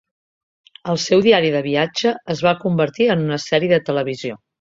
El seu diari de viatge es va convertir en una sèrie de televisió.